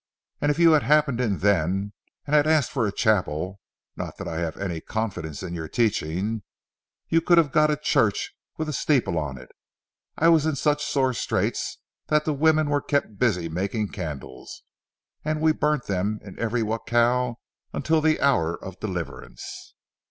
If you had happened in then and had asked for a chapel,—not that I have any confidence in your teaching,—you could have got a church with a steeple on it. I was in such sore straits that the women were kept busy making candles, and we burnt them in every jacal until the hour of deliverance."